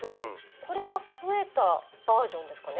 これが増えたバージョンですかね？